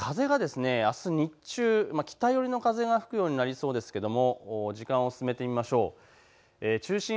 風があす日中、北寄りの風が吹くようになりそうですが時間を進めてみましょう。